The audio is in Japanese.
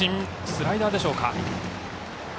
スライダーでしょうか。